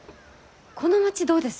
この町どうです？